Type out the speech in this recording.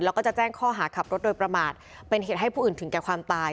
แล้วก็จะแจ้งข้อหาขับรถโดยประมาทเป็นเหตุให้ผู้อื่นถึงแก่ความตาย